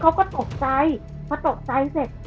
เขาก็ตกใจพอตกใจเสร็จ